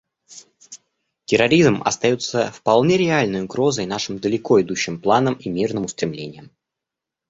Терроризм остается вполне реальной угрозой нашим далеко идущим планам и мирным устремлениям.